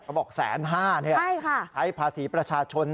ก็บอกแสนห้าเนี่ยใช่นะคะใช้ภาษีประชาชน